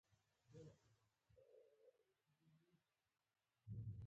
بادام حافظه قوي کوي